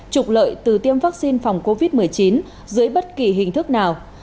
trục lợi từ tiêm vaccine phòng covid một mươi chín dưới bất kỳ hình thức nào